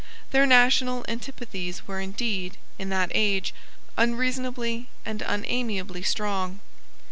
Their national antipathies were, indeed, in that age, unreasonably and unamiably strong.